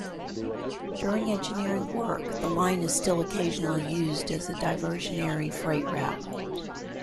During engineering work, the line is still occasionally used as a diversionary freight route.